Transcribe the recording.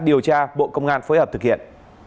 điều tra bộ công an phối hợp thực hiện